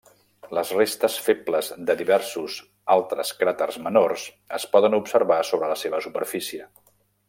Les restes febles de diversos altres cràters menors es poden observar sobre la seva superfície.